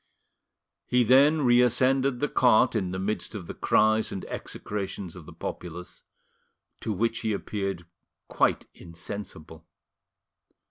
He then reascended the cart in the midst of the cries and execrations of the populace, to which he appeared quite insensible.